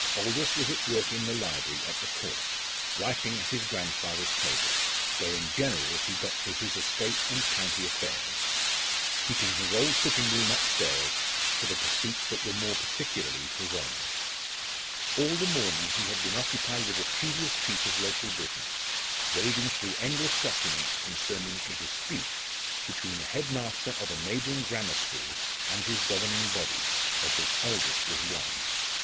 Aldous was at work in the library at the Court, writing at his grandfather's table, where in general he got through his estate and county affairs, keeping his old sitting room upstairs for the pursuits that were more particularly his own. All the morning he had been occupied with a tedious piece of local business, wading through endless documents concerning a dispute between the head master of a neighbouring grammar school and his governing body, of which Aldous was one.